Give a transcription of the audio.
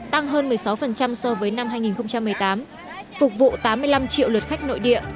tăng hơn một mươi sáu so với năm hai nghìn một mươi tám phục vụ tám mươi năm triệu lượt khách nội địa